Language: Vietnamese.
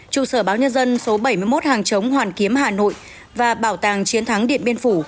trụ sở báo nhân dân số bảy mươi một hàng chống hoàn kiếm hà nội và bảo tàng chiến thắng điện biên phủ